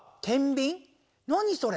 何それ？